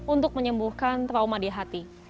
untuk menyembuhkan trauma di hati